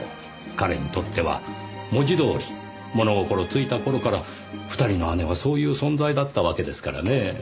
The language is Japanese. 彼にとっては文字どおり物心ついた頃から２人の姉はそういう存在だったわけですからねぇ。